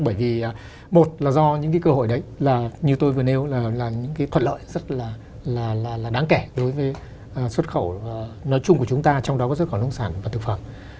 bởi vì một là do những cái cơ hội đấy là như tôi vừa nêu là những cái thuật lợi rất là đáng kể đối với xuất khẩu nói chung của chúng ta trong đó có xuất khẩu nông sản và thực phẩm